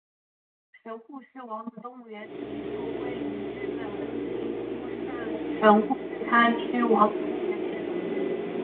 神户市立王子动物园是一座位于日本兵库县神户市滩区王子公园内的动物园。